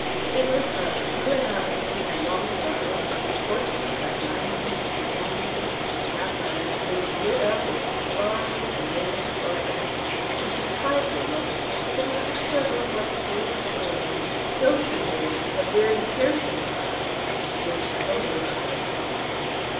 They went up through an avenue or long grotto, with torches of diamonds, and amethysts, and sapphires, which lit up its spars and made them sparkle. And she tried to look, but could not discover what they were carrying, till she heard a very piercing cry, which awoke her.